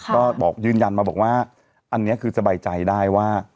ก็บอกยืนยันมาบอกว่าอันนี้คือสบายใจได้ว่า